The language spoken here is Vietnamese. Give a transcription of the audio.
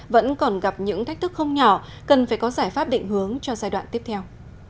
vẫn còn gặp những thách thức không nhỏ cần phải có giải pháp định hướng cho giai đoạn tiếp theo